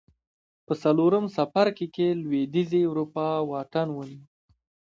په څلورم څپرکي کې لوېدیځې اروپا واټن ونیو